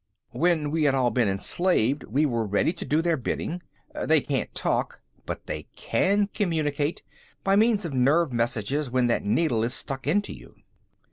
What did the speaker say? When we had all been enslaved, we were ready to do their bidding. They can't talk, but they can communicate by means of nerve messages when that needle is stuck into you."